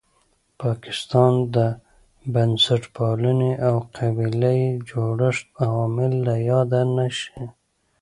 پاکستان، بنسټپالنې او قبیله یي جوړښت عوامل له یاده نه شي.